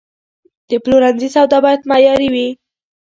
د پلورنځي سودا باید معیاري وي.